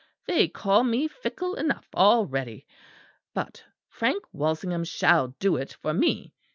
They call me fickle enough already. But Frank Walsingham shall do it for me.